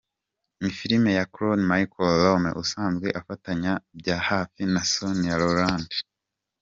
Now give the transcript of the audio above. Ni film ya Claude-Michel Rome, usanzwe afatanya bya hafi na Sonia Rolland.